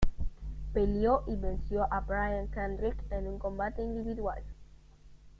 Peleó y venció a Brian Kendrick en un combate individual.